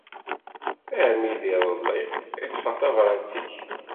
Armi d iḍelli i ṭṭfeɣ tabrat-ik.